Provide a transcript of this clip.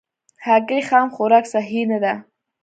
هګۍ خام خوراک صحي نه ده.